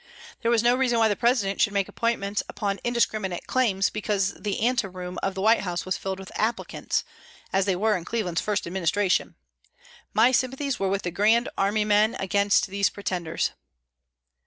There was no reason why the President should make appointments upon indiscriminate claims because the ante room of the White House was filled with applicants, as they were in Cleveland's first administration. My sympathies were with the grand army men against these pretenders.